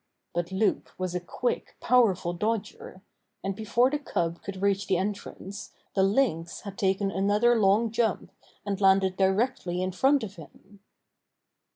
But Loup was a quick, powerful dodger, and before the cub could reach the entrance the Lynx had taken another long jump and landed directly in front of him.